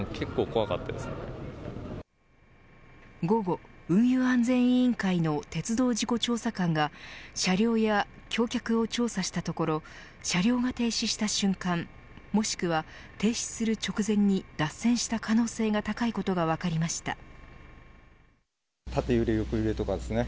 午後、運輸安全委員会の鉄道事故調査官が車両や橋脚を調査したところ車両が停止した瞬間、もしくは停止する直前に脱線した可能性が高いことが分かりました。